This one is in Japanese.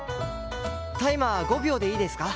タイマー５秒でいいですか？